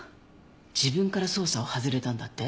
自分から捜査を外れたんだって？